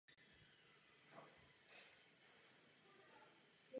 Opevnění údajně začaly budovat jako úkryt před husity samy jeptišky z kláštera Porta coeli.